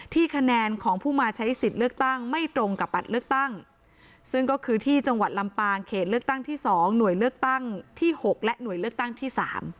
คะแนนของผู้มาใช้สิทธิ์เลือกตั้งไม่ตรงกับบัตรเลือกตั้งซึ่งก็คือที่จังหวัดลำปางเขตเลือกตั้งที่๒หน่วยเลือกตั้งที่๖และหน่วยเลือกตั้งที่๓